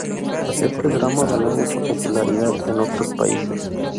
Este drama ganó mucha popularidad en otros países.